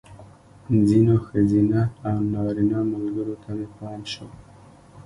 ځینو ښځینه او نارینه ملګرو ته مې پام شو.